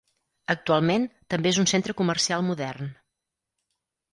Actualment també és un centre comercial modern.